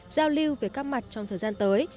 giao lưu về các mặt trong thời gian tới